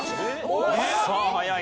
さあ早い。